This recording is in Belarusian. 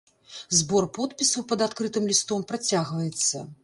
Збор подпісаў пад адкрытым лістом працягваецца.